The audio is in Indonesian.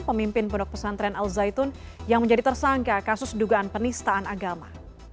pemimpin pondok pesantren al zaitun yang menjadi tersangka kasus dugaan penistaan agama